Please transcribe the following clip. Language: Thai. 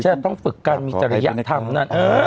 ใช่ต้องปึกกันมีตรยังทำนั่น